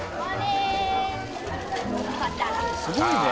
すごいね！